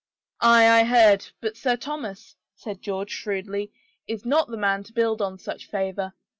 "Aye, I heard. But Sir Thomas," said George shrewdly, " is not the man to build on such favor.